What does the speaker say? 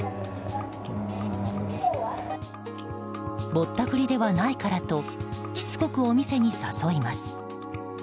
ぼったくりではないからとしつこくお店に誘います。